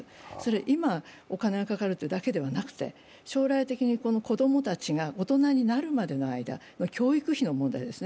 今、お金がかかるだけではなくて、将来的に子どもたちが大人になるまでの間、教育費の問題ですね。